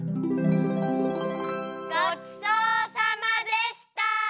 ごちそうさまでした！